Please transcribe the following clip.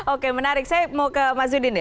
oke menarik saya mau ke mas yudin ya